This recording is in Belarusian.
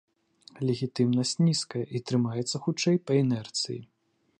Легітымнасць нізкая, і трымаецца хутчэй па інерцыі.